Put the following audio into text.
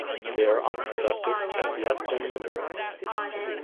They are unproductive as yet in minerals.